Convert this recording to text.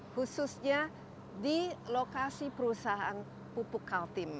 khususnya di lokasi perusahaan pupuk kaltim